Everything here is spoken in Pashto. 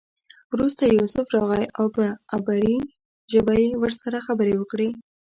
وروسته یوسف راغی او په عبري ژبه یې ورسره خبرې وکړې.